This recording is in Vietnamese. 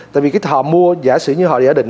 tại vì họ mua giả sử như họ đã định